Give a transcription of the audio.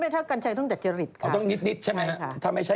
ไม่ถ้ากรรไชยต้องตัดเจริตต้องนิดนิดใช่ไหมถ้าไม่ใช่